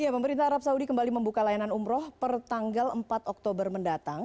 pemerintah arab saudi kembali membuka layanan umroh per tanggal empat oktober mendatang